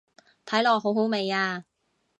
睇落好好味啊